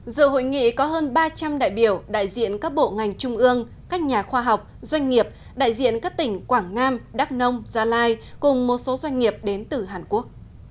dự hội nghị có hơn ba trăm linh đại biểu đại diện các bộ ngành trung ương các nhà khoa học doanh nghiệp đại diện các tỉnh quảng nam đắk nông gia lai cùng một số doanh nghiệp đến từ hàn quốc